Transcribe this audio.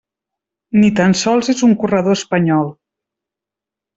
Ni tan sols és un corredor espanyol.